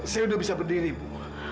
saya udah bisa berdiri bu